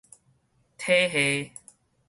體系